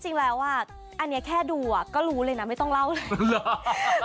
จริงอันนี้จริงแค่ดูก็รู้เลยน่ะไม่ต้องเล่าเลย